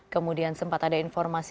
kemudian sempat ada informasi